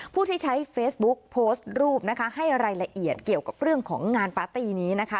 ผู้ที่ใช้เฟซบุ๊กโพสต์รูปนะคะให้รายละเอียดเกี่ยวกับเรื่องของงานปาร์ตี้นี้นะคะ